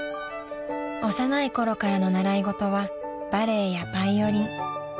［幼いころからの習い事はバレエやバイオリン］